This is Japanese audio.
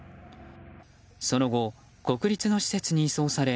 その後、国立の施設に移送され